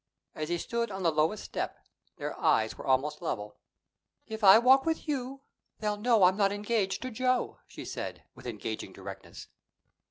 As he stood on the lowest step, their eyes were almost level. "If I walk with you, they'll know I'm not engaged to Joe," she said, with engaging directness.